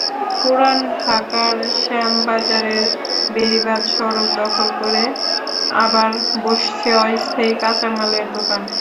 পুরান ঢাকার শ্যামবাজারের বেড়িবাঁধ সড়ক দখল করে আবার বসছে অস্থায়ী কাঁচামালের দোকান।